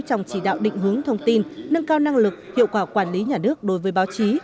trong chỉ đạo định hướng thông tin nâng cao năng lực hiệu quả quản lý nhà nước đối với báo chí